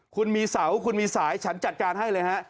คุณมีเสาคุณมีสายฉันจัดการให้เลยฮะ